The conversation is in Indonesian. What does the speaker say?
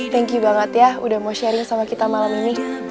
thank you banget ya udah mau sharing sama kita malam ini